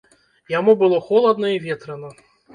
Яму было холадна і ветрана.